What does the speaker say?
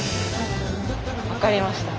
分かりました。